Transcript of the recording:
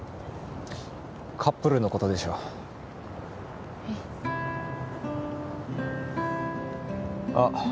カップルのことでしょえっ？